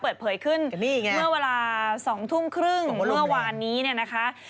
เปิดเผยขึ้นเมื่อเวลา๒ทุ่มครึ่งเมื่อวานนี้เนี่ยนะคะ